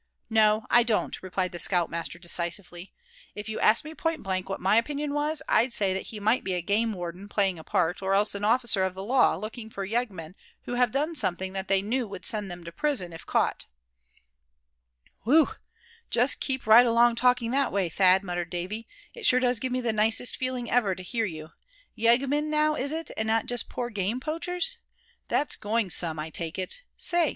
"No, I don't," replied the scout master, decisively. "If you asked me point blank what my opinion was, I'd say that he might be a game warden playing a part, or else an officer of the law, looking for yeggmen who have done something that they knew would send them to prison if caught!" "Whew! just keep right along talking that way, Thad," muttered Davy. "It sure does give me the nicest feeling ever to hear you. Yeggmen now is it, and not just poor game poachers? That's going some, I take it. Say, perhaps they've been and broke into a rich man's place over in Faversham.